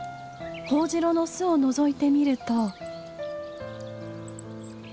ホオジロの巣をのぞいてみると。